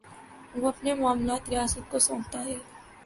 وہ اپنے معاملات ریاست کو سونپتا ہے۔